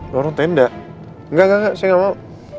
lorong tenda enggak enggak enggak saya mau